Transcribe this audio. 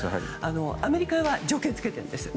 アメリカは条件を付けているんです。